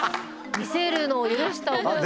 見せるのを許した覚えはない。